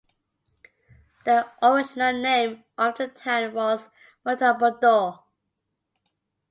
The original name of the town was Montalboddo.